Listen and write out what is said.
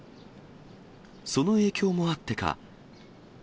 その影響もあってか。